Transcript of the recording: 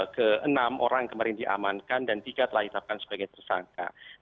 ke enam orang kemarin diamankan dan tiga telah ditetapkan sebagai tersangka